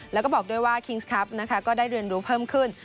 แล้วก็บอกด้วยว่าคิงส์คัปได้เรือนรู้เพิ่มขึ้น